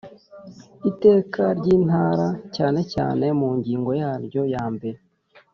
Iteka ry Intara cyane cyane mu ngingo yaryo ya mbere